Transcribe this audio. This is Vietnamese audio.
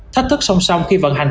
thách thức song song khi vận hành